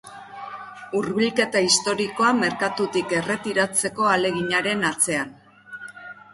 Hurbilketa historikoa merkatutik erretiratzeko ahaleginaren atzean.